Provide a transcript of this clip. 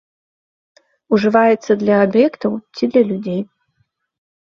Ужываецца для аб'ектаў ці для людзей.